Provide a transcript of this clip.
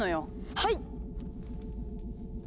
はい！